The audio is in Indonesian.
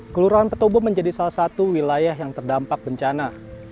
kelurahan petobo menjadi salah satu wilayah yang terdampak bencana